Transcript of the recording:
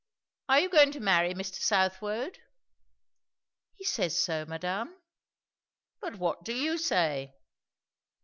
"Are you going to marry Mr. Southwode?" "He says so, madame." "But what do you say?"